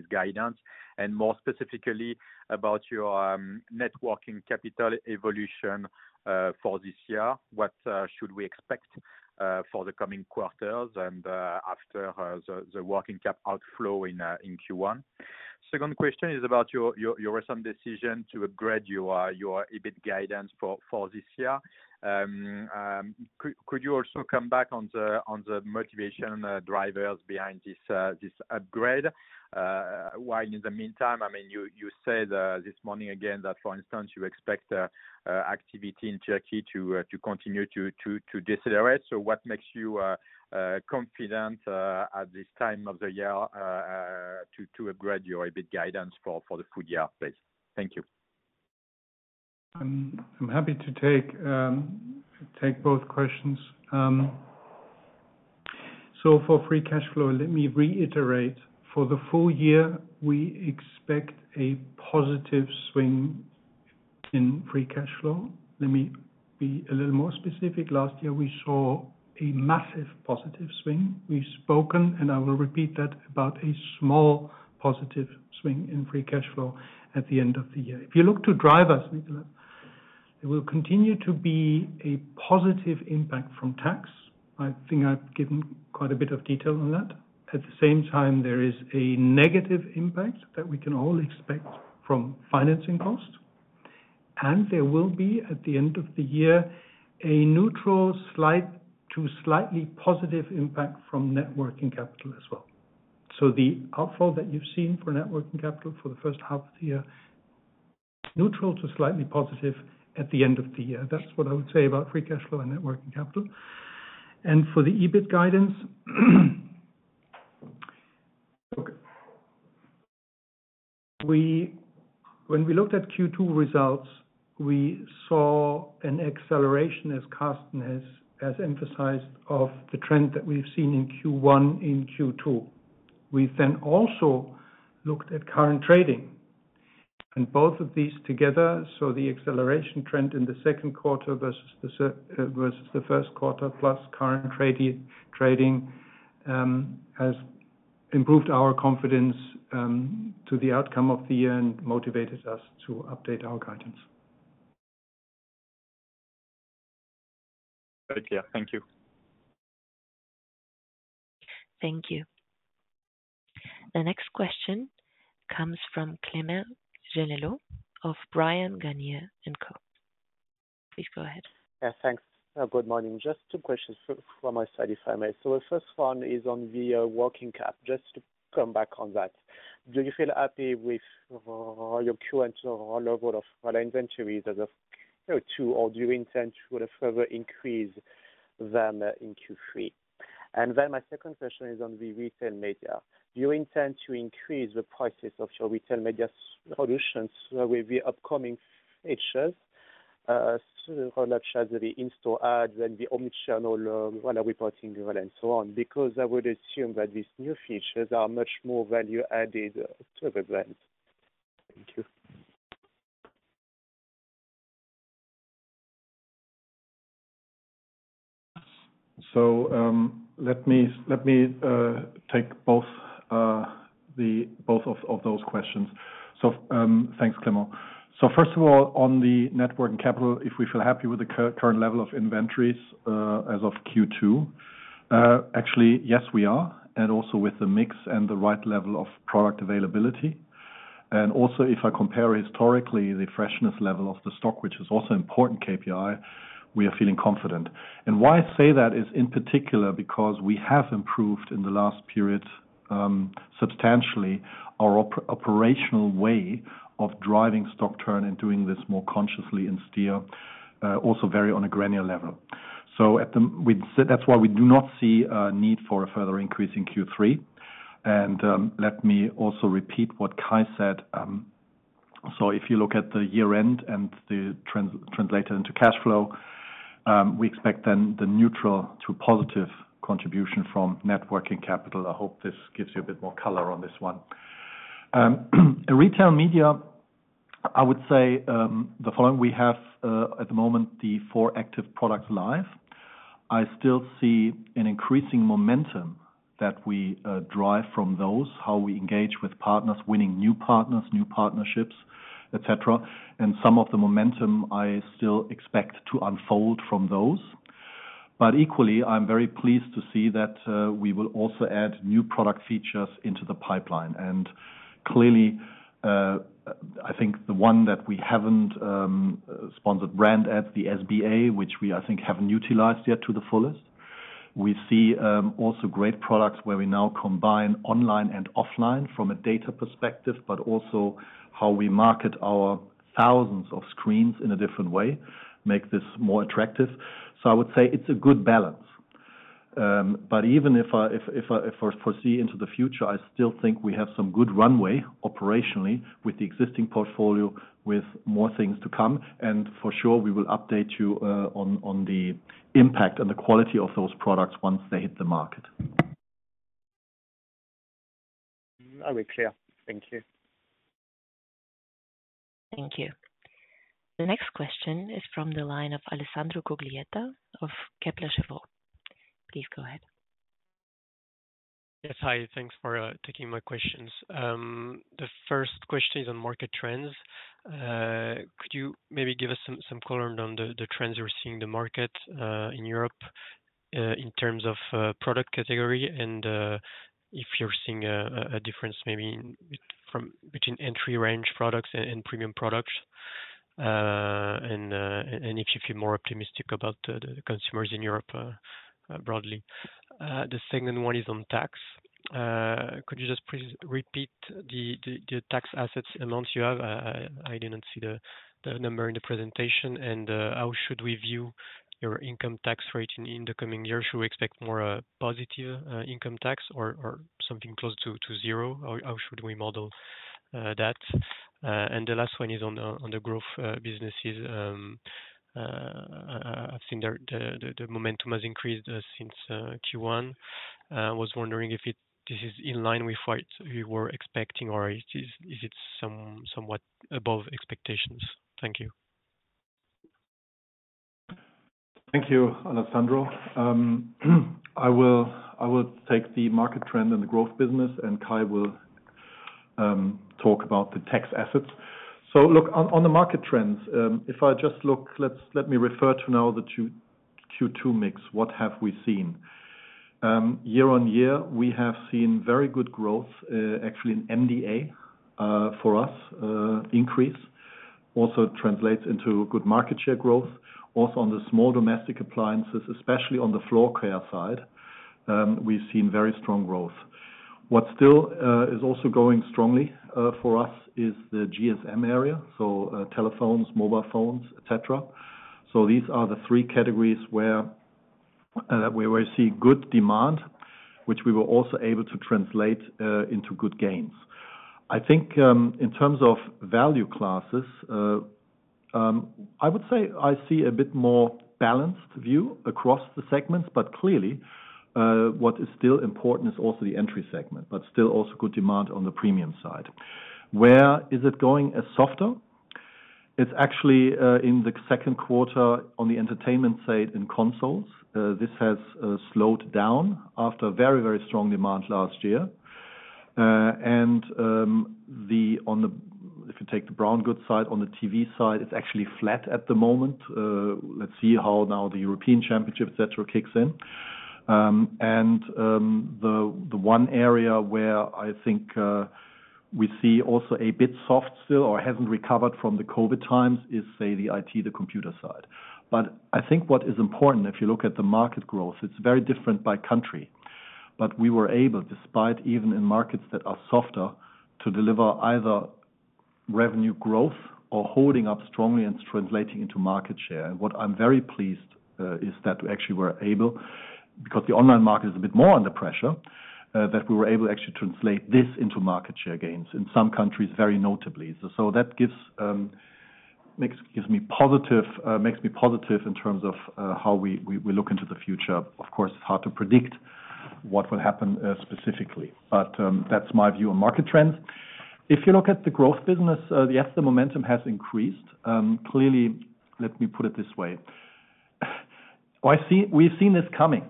guidance, and more specifically, about your net working capital evolution for this year? What should we expect for the coming quarters and after the working cap outflow in Q1? Second question is about your recent decision to upgrade your EBIT guidance for this year. Could you also come back on the motivation drivers behind this upgrade? While in the meantime, I mean, you said this morning again, that for instance, you expect activity in Turkey to continue to decelerate. So what makes you confident at this time of the year to upgrade your EBIT guidance for the full year, please? Thank you. I'm happy to take both questions. So for free cash flow, let me reiterate. For the full year, we expect a positive swing in free cash flow. Let me be a little more specific. Last year, we saw a massive positive swing. We've spoken, and I will repeat that, about a small positive swing in free cash flow at the end of the year. If you look to drivers, Nicolas, there will continue to be a positive impact from tax. I think I've given quite a bit of detail on that. At the same time, there is a negative impact that we can all expect from financing costs, and there will be, at the end of the year, a neutral slide to slightly positive impact from net working capital as well. So the outflow that you've seen for net working capital for the first half of the year, neutral to slightly positive at the end of the year. That's what I would say about free cash flow and net working capital. And for the EBIT guidance, okay. When we looked at Q2 results, we saw an acceleration, as Carsten has emphasized, of the trend that we've seen in Q1, in Q2. We then also looked at current trading. And both of these together, so the acceleration trend in the second quarter versus the first quarter, plus current trading, has improved our confidence to the outcome of the year and motivated us to update our guidance. Very clear. Thank you. Thank you. The next question comes from Clément Genelot of Bryan, Garnier & Co. Please go ahead. Yeah, thanks. Good morning. Just two questions from my side, if I may. So the first one is on the working cap, just to come back on that. Do you feel happy with your current level of inventories as of Q2, or do you intend to further increase them in Q3? And then my second question is on the retail media. Do you intend to increase the prices of your retail media solutions with the upcoming features? So how much are the in-store ads and the omnichannel while reporting and so on? Because I would assume that these new features are much more value added to the brand. Thank you. So, let me take both of those questions. So, thanks, Clement. So first of all, on the network and capital, if we feel happy with the current level of inventories, actually, yes, we are. And also with the mix and the right level of product availability. And also, if I compare historically, the freshness level of the stock, which is also important KPI, we are feeling confident. And why I say that is, in particular, because we have improved in the last period, substantially our operational way of driving stock turn and doing this more consciously in steer, also very on a granular level. That's why we do not see a need for a further increase in Q3. And, let me also repeat what Kai said. So if you look at the year-end and the translated into cash flow, we expect then the neutral-to-positive contribution from net working capital. I hope this gives you a bit more color on this one. In retail media, I would say, the following: we have, at the moment, the four active products live. I still see an increasing momentum that we drive from those, how we engage with partners, winning new partners, new partnerships, et cetera. And some of the momentum I still expect to unfold from those. But equally, I'm very pleased to see that we will also add new product features into the pipeline. And clearly, I think the one that we haven't, Sponsored Brand at the SBA, which we, I think, haven't utilized yet to the fullest. We see also great products where we now combine online and offline from a data perspective, but also how we market our thousands of screens in a different way, make this more attractive. So I would say it's a good balance. But even if I foresee into the future, I still think we have some good runway operationally with the existing portfolio, with more things to come. And for sure, we will update you on the impact and the quality of those products once they hit the market. Are we clear? Thank you. Thank you. The next question is from the line of Alessandro Cuglietta of Kepler Cheuvreux. Please go ahead. Yes, hi. Thanks for taking my questions. The first question is on market trends. Could you maybe give us some color on the trends you're seeing in the market in Europe in terms of product category, and if you're seeing a difference maybe from between entry range products and premium products, and if you feel more optimistic about the consumers in Europe broadly? The second one is on tax. Could you just please repeat the tax assets amounts you have? I didn't see the number in the presentation. And how should we view your income tax rate in the coming years? Should we expect more positive income tax or something close to zero? Or how should we model that? The last one is on the growth businesses. I've seen the momentum has increased since Q1. I was wondering if this is in line with what you were expecting or is it somewhat above expectations? Thank you. Thank you, Alessandro. I will, I will take the market trend and the growth business, and Kai will talk about the tax assets. So look, on the market trends, if I just look, let me refer to now the Q2 mix. What have we seen? Year-over-year, we have seen very good growth, actually, in MDA for us, increase. Also translates into good market share growth, also on the small domestic appliances, especially on the floor care side, we've seen very strong growth. What still is also going strongly for us is the GSM area, so, telephones, mobile phones, et cetera. So these are the three categories where, where we see good demand, which we were also able to translate into good gains. I think, in terms of value classes, I would say I see a bit more balanced view across the segments, but clearly, what is still important is also the entry segment, but still also good demand on the premium side. Where is it going as softer? It's actually, in the second quarter on the entertainment side, in consoles. This has slowed down after a very, very strong demand last year. If you take the brown goods side, on the TV side, it's actually flat at the moment. Let's see how now the European Championship, et cetera, kicks in. And, the one area where I think, we see also a bit soft still or hasn't recovered from the COVID times, is, say, the IT, the computer side. But I think what is important, if you look at the market growth, it's very different by country. But we were able, despite even in markets that are softer, to deliver either revenue growth or holding up strongly and it's translating into market share. And what I'm very pleased is that we actually were because the online market is a bit more under pressure that we were able to actually translate this into market share gains, in some countries, very notably. So that gives makes me positive makes me positive in terms of how we look into the future. Of course, it's hard to predict what will happen specifically, but that's my view on market trends. If you look at the growth business, yes, the momentum has increased. Clearly, let me put it this way, we've seen this coming,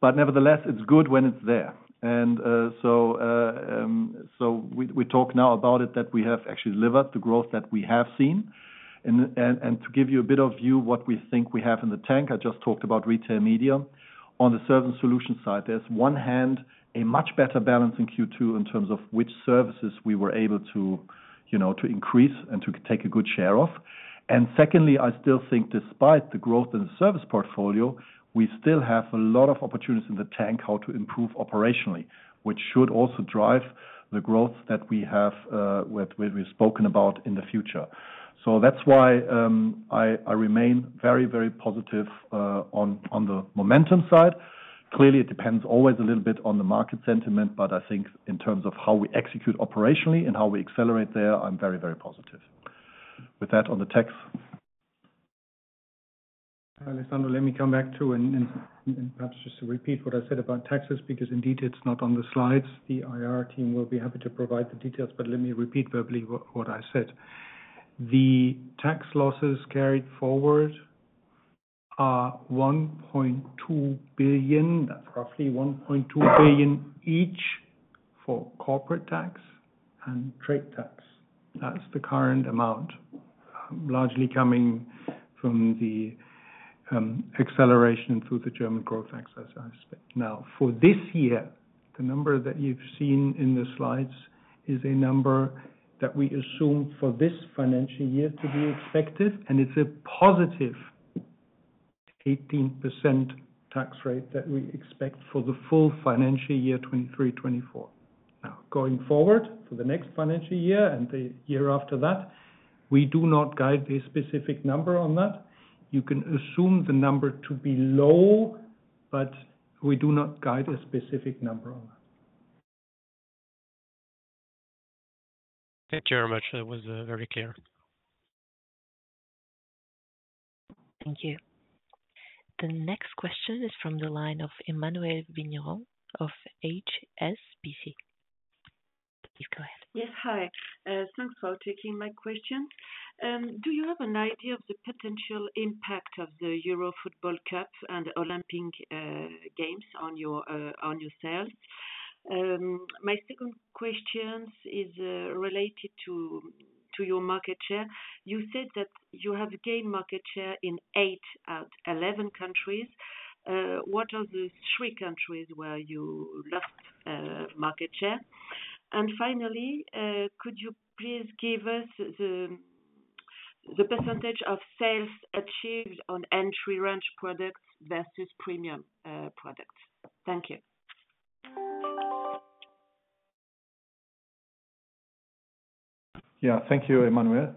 but nevertheless, it's good when it's there. And so we talk now about it, that we have actually delivered the growth that we have seen. And to give you a bit of a view what we think we have in the tank, I just talked about retail media. On the service solution side, on the one hand, a much better balance in Q2, in terms of which services we were able to, you know, to increase and to take a good share of. And secondly, I still think despite the growth in the service portfolio, we still have a lot of opportunities in the tank, how to improve operationally. Which should also drive the growth that we've spoken about in the future. So that's why, I remain very, very positive on the momentum side. Clearly, it depends always a little bit on the market sentiment, but I think in terms of how we execute operationally and how we accelerate there, I'm very, very positive. With that, on the tax- Alessandro, let me come back to perhaps just to repeat what I said about taxes, because indeed it's not on the slides. The IR team will be happy to provide the details, but let me repeat verbally what I said. The tax losses carried forward are 1.2 billion. That's roughly 1.2 billion each, for corporate tax and trade tax. That's the current amount, largely coming from the acceleration through the German growth tax, as I expect. Now, for this year, the number that you've seen in the slides is a number that we assume for this financial year to be expected, and it's a positive 18% tax rate that we expect for the full financial year, 2023, 2024. Now, going forward to the next financial year and the year after that, we do not guide a specific number on that. You can assume the number to be low, but we do not guide a specific number on that. Thank you very much. That was very clear. Thank you. The next question is from the line of Emmanuel Vigneron of HSBC. Please, go ahead. Yes, hi. Thanks for taking my question. Do you have an idea of the potential impact of the Euro Football Cup and Olympic Games on your sales? My second questions is related to your market share. You said that you have gained market share in eight out of 11 countries. What are the three countries where you lost market share? And finally, could you please give us the percentage of sales achieved on entry range products versus premium products? Thank you. Yeah. Thank you, Emmanuel.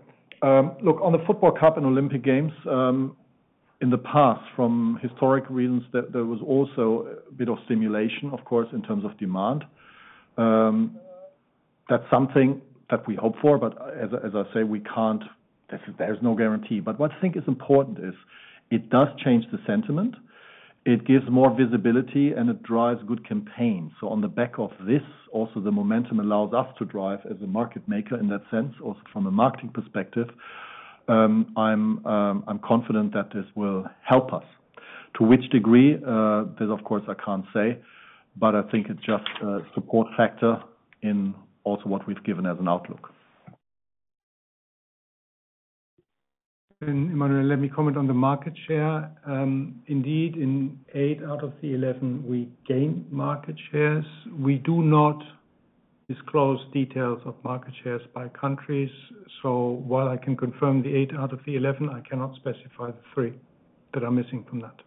Look, on the Football Cup and Olympic Games, in the past, from historic reasons, there was also a bit of stimulation, of course, in terms of demand. That's something that we hope for, but as I say, we can't... There's no guarantee. But what I think is important is, it does change the sentiment, it gives more visibility, and it drives good campaigns. So on the back of this, also, the momentum allows us to drive as a market maker in that sense, or from a marketing perspective, I'm confident that this will help us. To which degree? That, of course, I can't say, but I think it's just a support factor in also what we've given as an outlook. Emmanuel, let me comment on the market share. Indeed, in 8 out of the 11, we gained market shares. We do not disclose details of market shares by countries, so while I can confirm the 8 out of the 11, I cannot specify the 3 that are missing from that.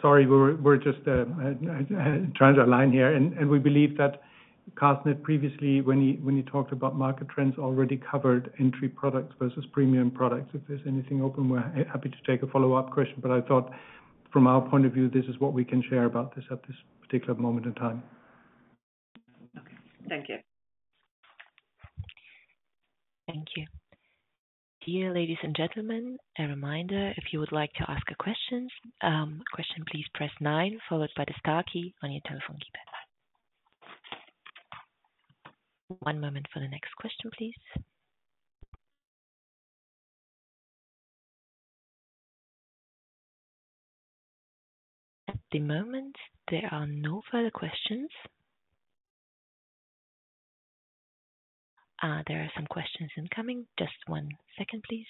Sorry, we're just trying to align here. We believe that Carsten, previously, when he talked about market trends, already covered entry products versus premium products. If there's anything open, we're happy to take a follow-up question, but I thought from our point of view, this is what we can share about this at this particular moment in time. Okay, thank you. Thank you. Dear ladies and gentlemen, a reminder, if you would like to ask a question, please press nine followed by the star key on your telephone keypad. One moment for the next question, please. At the moment, there are no further questions. There are some questions incoming. Just one second, please.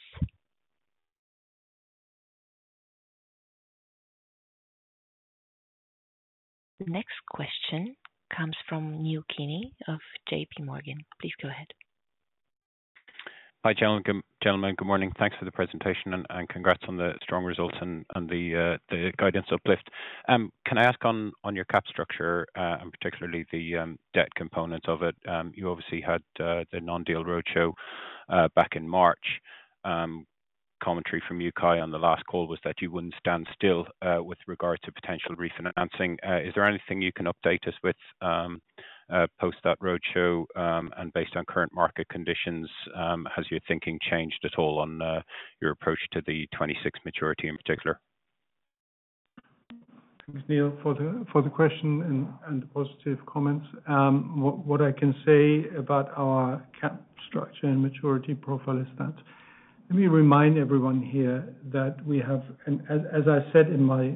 The next question comes from Neil Kinney of J.P. Morgan. Please go ahead. Hi, gentlemen. Good morning, gentlemen. Thanks for the presentation and congrats on the strong results and the guidance uplift. Can I ask on your cap structure and particularly the debt component of it? You obviously had the non-deal roadshow back in March. Commentary from you, Kai, on the last call was that you wouldn't stand still with regard to potential refinancing. Is there anything you can update us with post that roadshow and based on current market conditions, has your thinking changed at all on your approach to the 2026 maturity in particular? Thanks, Neil, for the question and positive comments. What I can say about our capital structure and maturity profile is that let me remind everyone here that we have. And as I said in my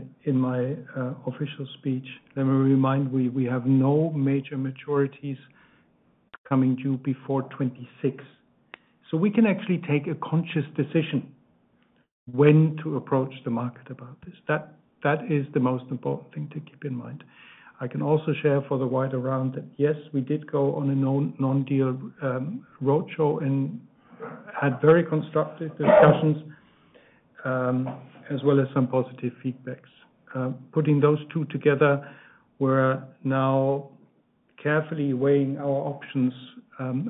official speech, let me remind we have no major maturities coming due before 2026. So we can actually take a conscious decision when to approach the market about this. That is the most important thing to keep in mind. I can also share for the wider audience that, yes, we did go on a non-deal roadshow and had very constructive discussions, as well as some positive feedback. Putting those two together, we're now carefully weighing our options,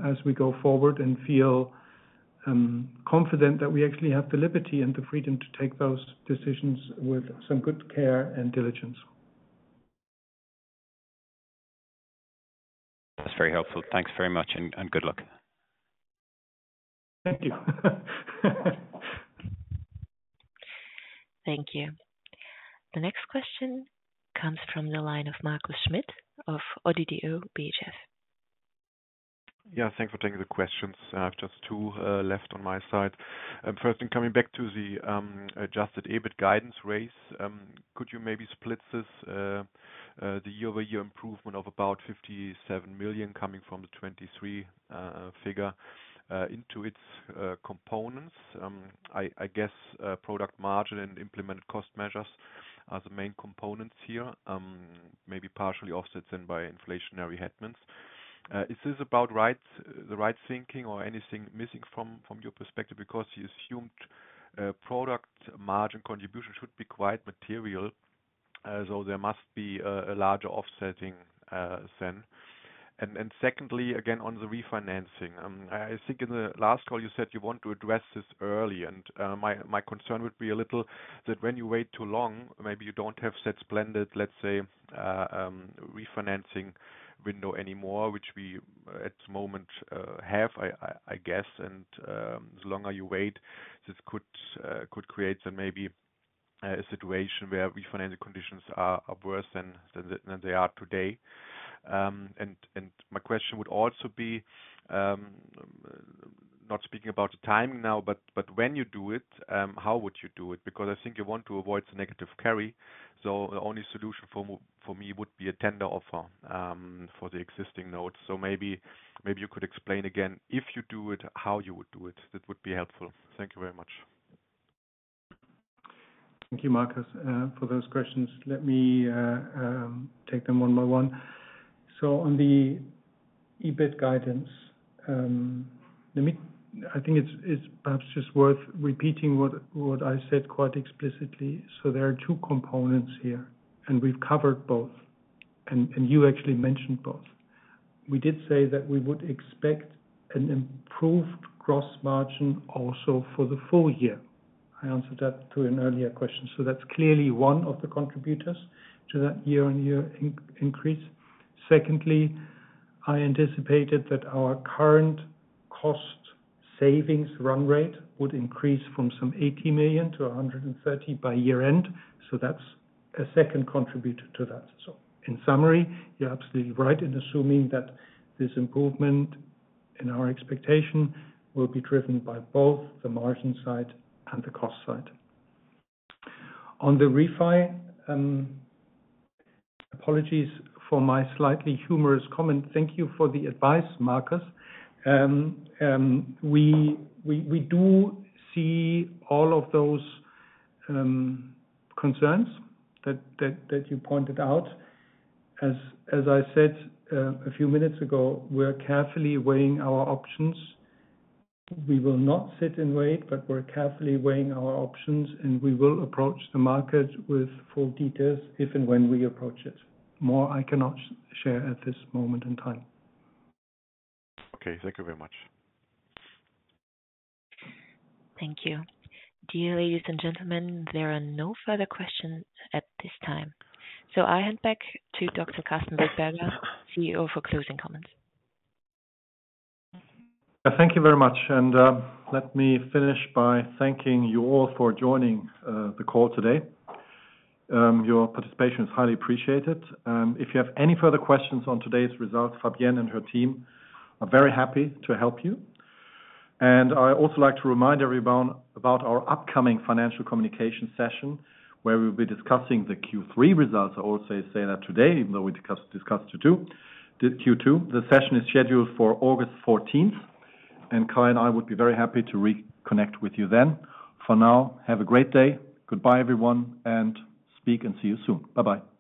as we go forward and feel confident that we actually have the liberty and the freedom to take those decisions with some good care and diligence. That's very helpful. Thanks very much, and good luck. Thank you. Thank you. The next question comes from the line of Markus Schmitt of Oddo BHF. Yeah, thanks for taking the questions. I have just two left on my side. First, in coming back to the Adjusted EBIT guidance rates, could you maybe split this, the year-over-year improvement of about 57 million coming from the 2023 figure into its components? I guess product margin and implementation cost measures are the main components here, maybe partially offsets them by inflationary headwinds. Is this about right, the right thinking or anything missing from your perspective? Because you assumed product margin contribution should be quite material, so there must be a larger offsetting then. And secondly, again, on the refinancing, I think in the last call you said you want to address this early, and my concern would be a little that when you wait too long, maybe you don't have the best, let's say, refinancing window anymore, which we at the moment have, I guess. And the longer you wait, this could create some maybe a situation where refinancing conditions are worse than they are today. And my question would also be, not speaking about the timing now, but when you do it, how would you do it? Because I think you want to avoid the negative carry, so the only solution for me would be a tender offer for the existing notes. So maybe, maybe you could explain again, if you do it, how you would do it. That would be helpful. Thank you very much. Thank you, Markus, for those questions. Let me take them one by one. So on the EBIT guidance, let me, I think it's perhaps just worth repeating what I said quite explicitly. So there are two components here, and we've covered both, and you actually mentioned both. We did say that we would expect an improved gross margin also for the full year. I answered that to an earlier question, so that's clearly one of the contributors to that year-over-year increase. Secondly, I anticipated that our current cost savings run rate would increase from some 80 million-130 million by year-end, so that's a second contributor to that. So in summary, you're absolutely right in assuming that this improvement in our expectation will be driven by both the margin side and the cost side. On the refi, apologies for my slightly humorous comment. Thank you for the advice, Markus. We do see all of those concerns that you pointed out. As I said a few minutes ago, we are carefully weighing our options. We will not sit and wait, but we're carefully weighing our options, and we will approach the market with full details if and when we approach it. More I cannot share at this moment in time. Okay. Thank you very much. Thank you. Dear ladies and gentlemen, there are no further questions at this time, so I hand back to Dr. Karsten Wildberger, CEO, for closing comments. Thank you very much, and let me finish by thanking you all for joining the call today. Your participation is highly appreciated. If you have any further questions on today's results, Fabienne and her team are very happy to help you. I also like to remind everyone about our upcoming financial communication session, where we'll be discussing the Q3 results. I also say that today, even though we discussed Q2, the session is scheduled for August fourteenth, and Kai and I would be very happy to reconnect with you then. For now, have a great day. Goodbye, everyone, and speak and see you soon. Bye-bye.